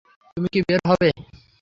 তুমি কি বের হবে?